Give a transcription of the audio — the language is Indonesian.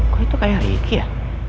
kok itu kayak ricky ya